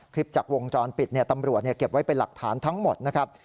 คลิปจากวงจรปิดตำรวจเก็บไว้เป็นหลักฐานทั้งหมดนะครับ